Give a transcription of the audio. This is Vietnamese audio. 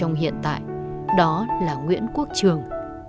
trong hiện tại đó là nguyễn quốc trường